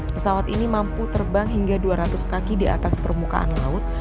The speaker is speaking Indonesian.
pesawat ini mampu terbang hingga dua ratus kaki di atas permukaan laut